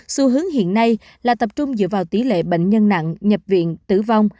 xu hướng hiện nay là tập trung dựa vào tỷ lệ bệnh nhân nặng nhập viện tử vong